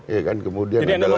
iya kan kemudian ada lagi bentuknya